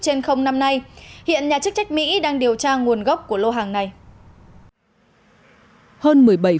trên không năm nay hiện nhà chức trách mỹ đang điều tra nguồn gốc của lô hàng này